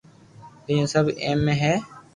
ٻيجو سب ايمي ھي